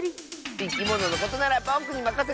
いきもののことならぼくにまかせて！